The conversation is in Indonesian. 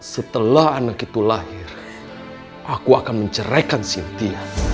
setelah anak itu lahir aku akan menceraikan sintia